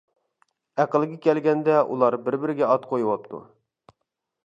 ئەقلىگە كەلگەندە ئۇلار بىر-بىرىگە ئات قويۇۋاپتۇ.